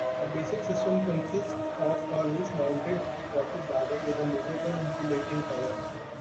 A basic system consists of a roof-mounted water bladder with a movable insulating cover.